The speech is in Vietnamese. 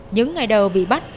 những ngày đầu bị bắt